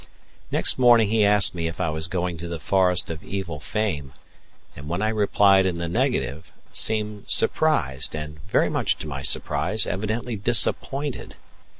Next morning he asked me if I was going to the forest of evil fame, and when I replied in the negative, seemed surprised and, very much to my surprise, evidently disappointed.